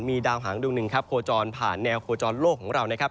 มีดาวหางดวงหนึ่งครับโคจรผ่านแนวโคจรโลกของเรานะครับ